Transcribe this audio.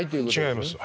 違います。